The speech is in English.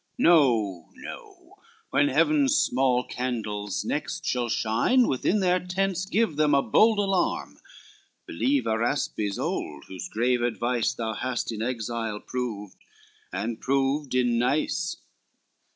No, no, when heaven's small candles next shall shine, Within their tents give them a bold alarm; Believe Araspes old, whose grave advice Thou hast in exile proved, and proved in Nice.